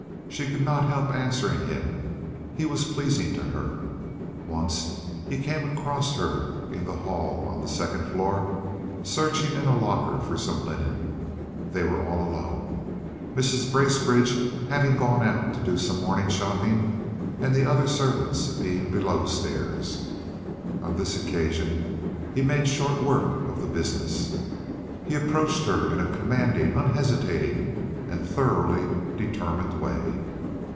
She could not help answering him—he was pleasing to her. Once he came across her in the hall on the second floor searching in a locker for some linen. They were all alone, Mrs. Bracebridge having gone out to do some morning shopping and the other servants being below stairs. On this occasion he made short work of the business. He approached her in a commanding, unhesitating, and thoroughly determined way.